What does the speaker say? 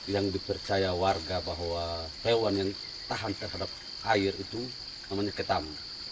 yang dipercaya warga bahwa hewan yang tahan terhadap air itu namanya ketam